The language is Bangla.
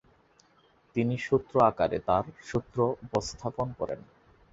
তিনি সূত্র আকারে তাঁর সূত্র উপস্থাপন করেন।